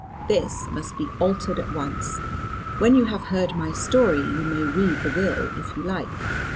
This must be altered at once. When you have heard my story, you may read the will, if you like.